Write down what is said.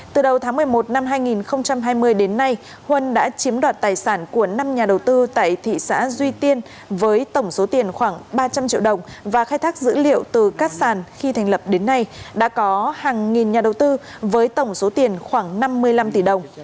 từ đầu tháng một mươi một năm hai nghìn hai mươi đến nay huân đã chiếm đoạt tài sản của năm nhà đầu tư tại thị xã duy tiên với tổng số tiền khoảng ba trăm linh triệu đồng và khai thác dữ liệu từ các sàn khi thành lập đến nay đã có hàng nghìn nhà đầu tư với tổng số tiền khoảng năm mươi năm tỷ đồng